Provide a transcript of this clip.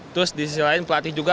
terus di sisi lain pelatih juga